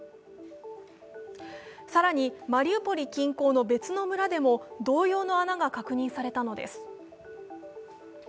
更に、マリウポリ近郊の別の村でも同様の穴が確認されたのです。